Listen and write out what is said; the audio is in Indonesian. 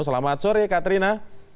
selamat sore katrina